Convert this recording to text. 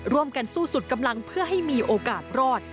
สู้สุดกำลังเพื่อให้มีโอกาสรอด